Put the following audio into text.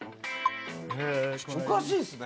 おかしいっすね